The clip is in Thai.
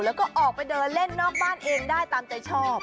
แล้วก็ออกไปเดินเล่นนอกบ้านเองได้ตามใจชอบ